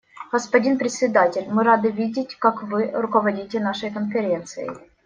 Господин Председатель, мы рады видеть, как вы руководите нашей Конференцией.